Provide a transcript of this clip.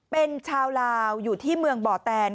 เป็นชาวลาวอยู่ที่เมืองบ่อแตน